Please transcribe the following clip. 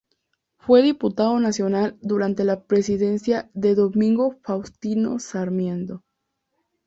Fue diputado nacional durante la presidencia de Domingo Faustino Sarmiento.